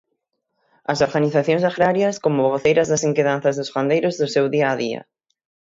As organizacións agrarias, como voceiras das inquedanzas dos gandeiros do seu día a día.